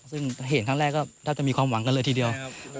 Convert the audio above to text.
ซึ่งเห็นครั้งแรกก็แทบจะมีความหวังกันเลยทีเดียว